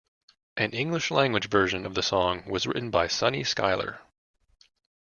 An English-language version of the song was written by Sunny Skylar.